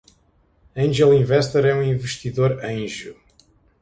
Angel Investor é um investidor anjo.